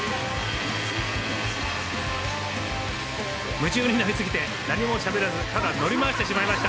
夢中になり過ぎて、何もしゃべらずただ乗り回してしまいました。